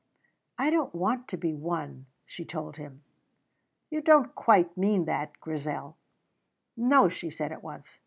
"I don't want to be won," she told him. "You don't quite mean that, Grizel." "No," she said at once.